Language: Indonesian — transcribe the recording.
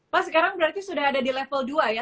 pak sekarang berarti sudah ada di level dua ya